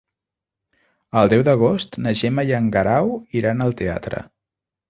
El deu d'agost na Gemma i en Guerau iran al teatre.